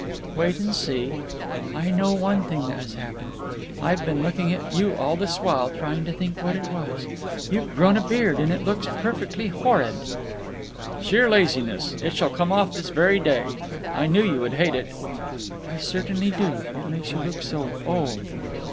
"Wait and see. Oh, I know one thing that has happened. I've been looking at you all this while trying to think what it was. You've grown a beard, and it looks perfectly horrid." "Sheer laziness. It shall come off this very day. I knew you would hate it." "I certainly do. It makes you look so old."